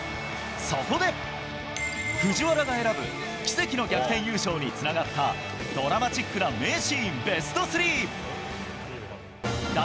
そこで、藤原が選ぶ、奇跡の逆転優勝につながったドラマチックな名シーンベスト３。